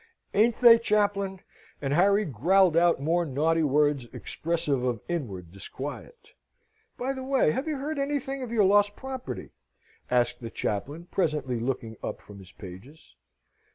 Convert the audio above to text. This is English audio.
"Ain't they, Chaplain?" And Harry growled out more naughty words expressive of inward disquiet. "By the way, have you heard anything of your lost property?" asked the chaplain, presently looking up from his pages.